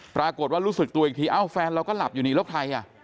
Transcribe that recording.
ปรากฏว่ารู้สึกตัวอีกทีแฟนเราก็หลับอยู่นี่แล้วใคร